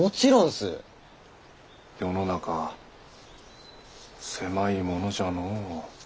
世の中狭いものじゃのう。